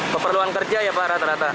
keperluan kerja ya pak rata rata